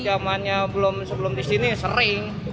jamannya belum di sini sering